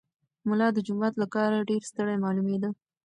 ملا د جومات له کاره ډېر ستړی معلومېده.